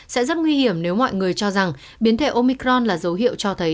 sẽ rất nguy hiểm nếu mọi người cho rằng biến thể omicron là dấu hiệu cho thấy